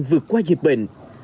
vượt qua dịch bệnh